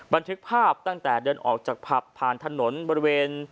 บันทึกภาพตั้งแต่เดินออกจากผับผ่านถนนบริเวณ